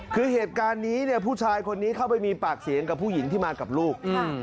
คือเหตุการณ์นี้เนี่ยผู้ชายคนนี้เข้าไปมีปากเสียงกับผู้หญิงที่มากับลูก